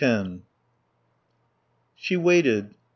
X She waited.